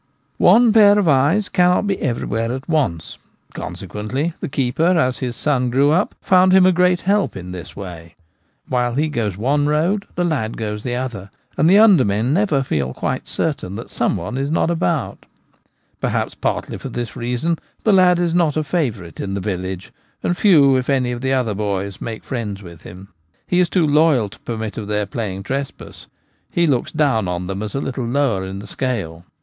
One pair of eyes cannot be everywhere at once ; consequently the keeper, as his son grew up, found him a great help in this way: while he goes one road the lad goes the other, and the undermen never feel certain that some one is not about Perhaps partly for this reason the lad is not a favourite in the village, and few if any of the other boys make friends with him. He is too loyal to permit of their playing trespass — he looks down on them as a little lower in the scale.